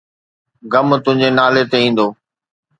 غم تنهنجي نالي تي ايندو